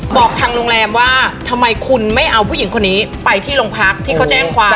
บอกทางโรงแรมว่าทำไมคุณไม่เอาผู้หญิงคนนี้ไปที่โรงพักที่เขาแจ้งความ